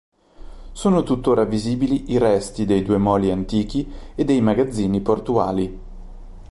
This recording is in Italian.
Sono tuttora visibili i resti dei due moli antichi e dei magazzini portuali.